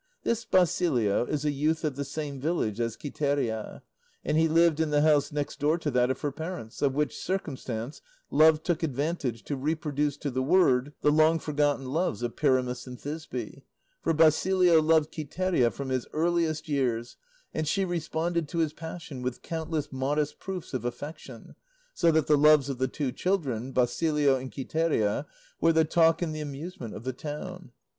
This Basilio is a youth of the same village as Quiteria, and he lived in the house next door to that of her parents, of which circumstance Love took advantage to reproduce to the word the long forgotten loves of Pyramus and Thisbe; for Basilio loved Quiteria from his earliest years, and she responded to his passion with countless modest proofs of affection, so that the loves of the two children, Basilio and Quiteria, were the talk and the amusement of the town.